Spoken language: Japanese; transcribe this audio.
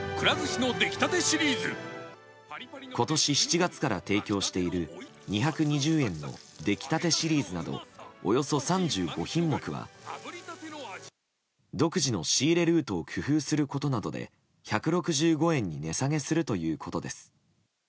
今年７月から提供している２２０円のできたてシリーズなどおよそ３５品目は独自の仕入れルートを工夫することなどで１６５円に値下げするということです。